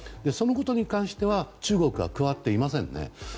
そのことに関しては中国は加わっていませんね。